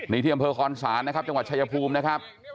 ในที่บริการคอนสารจังหวัดชายภูมินะครับ